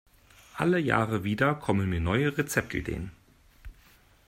Alle Jahre wieder kommen mir neue Rezeptideen.